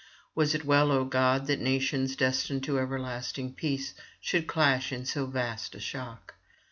Was it well, O God, that nations destined to everlasting peace should clash in so vast a shock?